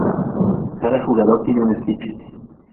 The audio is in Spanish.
Cada jugador tiene un stick.